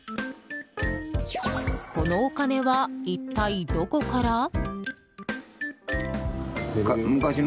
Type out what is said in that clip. このお金は一体どこから。